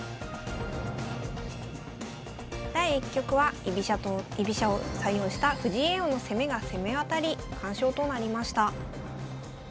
第１局は居飛車を採用した藤井叡王の攻めが攻め渡り完勝となりました。